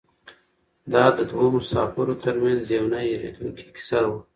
دا د دوو مسافرو تر منځ یوه نه هېرېدونکې کیسه وه.